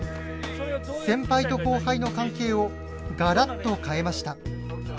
先輩と後輩の関係をガラッと変えました。